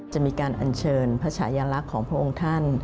จะมีการอัญเชิญพระชายลักษณ์ของพระองค์ท่าน